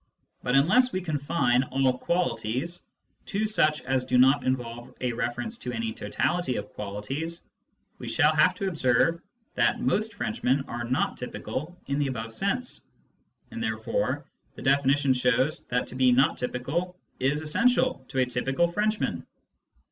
But unless we confine " all qualities " to such as do not involve a reference to any totality of qualities, we shall have to observe that most Frenchmen are not typical in the above sense, and therefore the definition shows that to be not typical is essential to a typical Frenchman.